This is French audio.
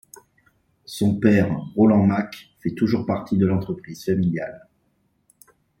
Son père, Roland Mack, fait toujours partie de l'entreprise familiale.